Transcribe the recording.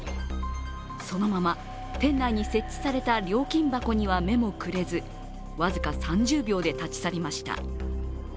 そのまま店内に設置された料金箱には目もくれず僅か３０秒で立ち去りました。